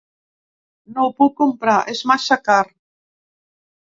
No ho puc comprar, és massa car.